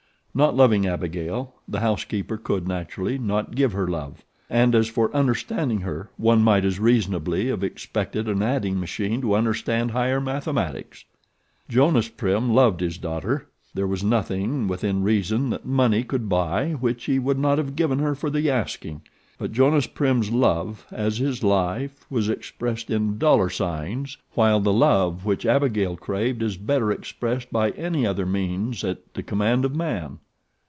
Not loving Abigail, the house keeper could, naturally, not give her love; and as for understanding her one might as reasonably have expected an adding machine to understand higher mathematics. Jonas Prim loved his daughter. There was nothing, within reason, that money could buy which he would not have given her for the asking; but Jonas Prim's love, as his life, was expressed in dollar signs, while the love which Abigail craved is better expressed by any other means at the command of man.